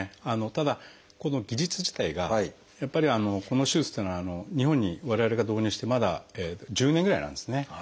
ただこの技術自体がやっぱりこの手術というのは日本に我々が導入してまだ１０年ぐらいなんですね。